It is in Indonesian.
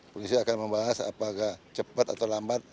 polisi akan membahas apakah cepat atau lambat